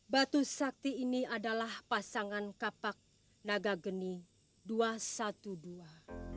batu sakti ini adalah pasangan kapak naga geni dua satu dua